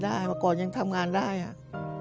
ทำงานชื่อนางหยาดฝนภูมิสุขอายุ๕๔ปี